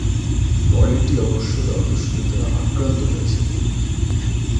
পরেরটি অবশ্য জলদস্যুদের দ্বারা আক্রান্ত হয়েছিল।